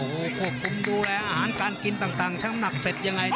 โอ้โหควบคุมดูแลอาหารการกินต่างช่างหนักเสร็จยังไง